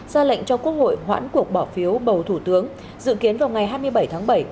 ra lệnh cho quốc hội hoãn cuộc bỏ phiếu bầu thủ tướng dự kiến vào ngày hai mươi bảy tháng bảy